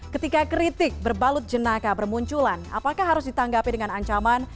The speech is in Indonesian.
ketika kritik berbalut jenaka bermunculan apakah harus ditanggapi dengan ancaman